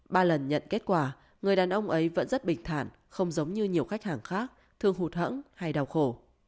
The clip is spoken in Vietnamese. ba lần nhận kết quả người đàn ông ấy vẫn rất bịch thản không giống như nhiều khách hàng khác thường hụt hẫng hay đau khổ